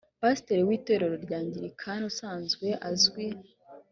pasteur w itorero rya anglican usanzwe azwi